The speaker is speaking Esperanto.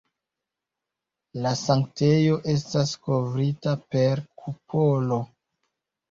La sanktejo estas kovrita per kupolo.